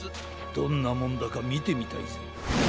どんなもんだかみてみたいぜ。